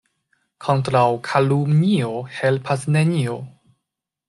Kontraŭ kalumnio helpas nenio.